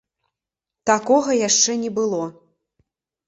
Такога яшчэ не было.